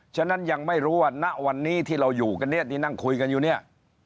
ฉะนั้นยังไม่รู้ว่าณวันนี้ที่เราอยู่กันเนี่ยที่นั่งคุยกันอยู่เนี่ย